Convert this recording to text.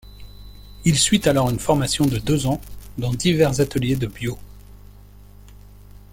Il suit alors une formation de deux ans dans divers ateliers de Biot.